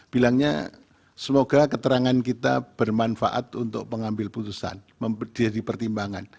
bilangnya semoga keterangan kita bermanfaat untuk pengambil putusan jadi pertimbangan